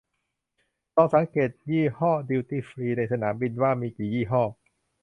ลองสังเกตยี่ห้อดิวตี้ฟรีในสนามบินว่ามีกี่ยี่ห้อ